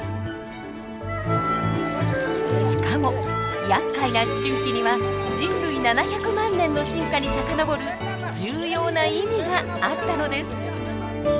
しかもやっかいな思春期には人類７００万年の進化に遡る重要な意味があったのです。